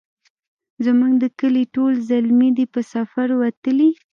زموږ د کلې ټول زلمي دی په سفر وتلي